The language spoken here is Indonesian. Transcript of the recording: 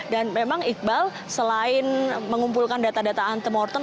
dan memang iqbal selain mengumpulkan data data antemortem